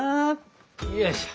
よいしょ。